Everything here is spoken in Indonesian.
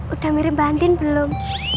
udah mirip mbak andi belum